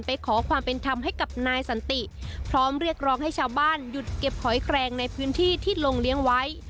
ขอความเป็นธรรมให้กับนายสันติพร้อมเรียกร้องให้ชาวบ้านหยุดเก็บหอยแครงในพื้นที่ที่ลงเลี้ยงไว้